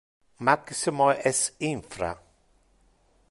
Maximo es infra.